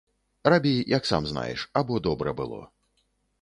Рабі, як сам знаеш, або добра было.